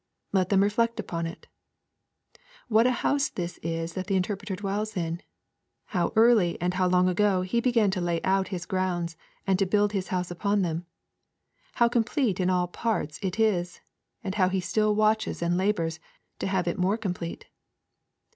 Let them reflect upon it: what a house this is that the Interpreter dwells in; how early and how long ago he began to lay out his grounds and to build his house upon them; how complete in all its parts it is, and how he still watches and labours to have it more complete.